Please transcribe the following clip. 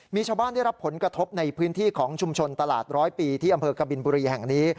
มีชาวบ้านได้รับผลกระทบในพื้นที่ของชุมชนตลาดร้อยปีที่อำเภอกบินบุรีแห่งนี้